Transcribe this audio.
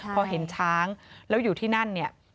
พอเห็นช้างแล้วอยู่ที่นั่นเนี่ย